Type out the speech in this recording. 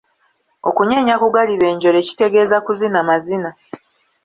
Okunyenya ku galiba enjole kitegeeza kuzina mazina.